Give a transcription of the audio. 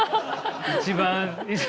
一番。